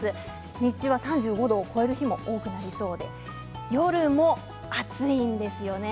日中は３５度を超える日も多くなりそうで夜も暑いんですよね。